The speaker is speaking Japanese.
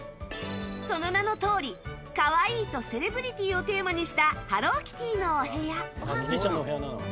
その名のとおり、可愛いとセレブリティーをテーマにしたハローキティのお部屋。